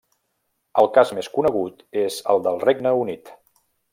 El cas més conegut és el del Regne Unit.